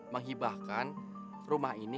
menghibahkan rumah ini